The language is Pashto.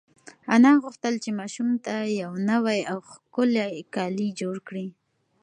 انا غوښتل چې ماشوم ته یو نوی او ښکلی کالي جوړ کړي.